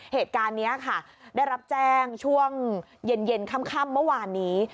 เหตุการณ์นี้ค่ะได้รับแจ้งช่วงเย็นค่ำเมื่อวานนี้